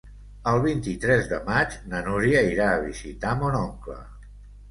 El vint-i-tres de maig na Núria irà a visitar mon oncle.